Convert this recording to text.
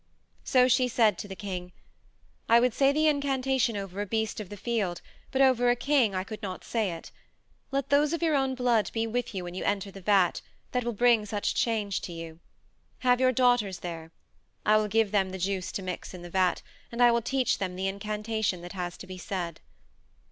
So she said to the king: "I would say the incantation over a beast of the field, but over a king I could not say it. Let those of your own blood be with you when you enter the vat that will bring such change to you. Have your daughters there. I will give them the juice to mix in the vat, and I will teach them the incantation that has to be said."